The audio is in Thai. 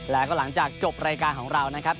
แล้วก็หลังจากจบรายการของเรานะครับ